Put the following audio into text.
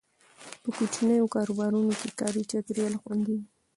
په کوچنیو کاروبارونو کې کاري چاپیریال خوندي وي.